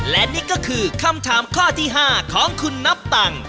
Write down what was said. และนี่ก็คือคำถามข้อที่๕ของคุณนับตัง